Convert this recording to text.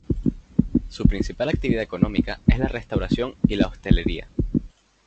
Su principal actividad económica es la restauración y la hostelería.